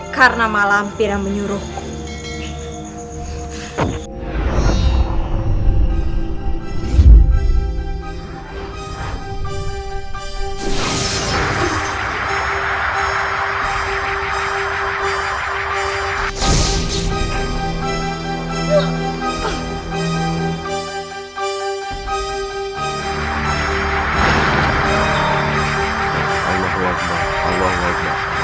karena malah ampira menyuruhku